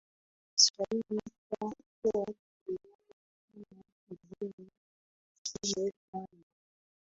Kiswahili kuwa kilianza kama Pigini ini kwani